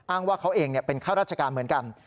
ว่าเขาเองเป็นข้าราชการเหมือนกัน